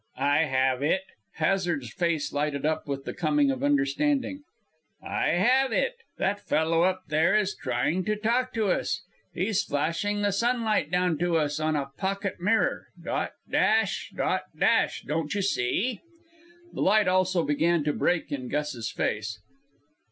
"I have it!" Hazard's face lighted up with the coming of understanding. "I have it! That fellow up there is trying to talk to us. He's flashing the sunlight down to us on a pocket mirror dot, dash; dot, dash; don't you see?" The light also began to break in Gus's face.